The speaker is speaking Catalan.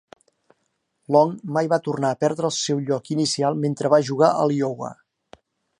Long mai va tornar a perdre el seu lloc inicial mentre va jugar a l'Iowa.